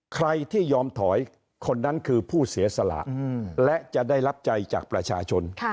ใครที่ยอมถอยคนนั้นคือผู้เสียสละและจะได้รับใจจากประชาชน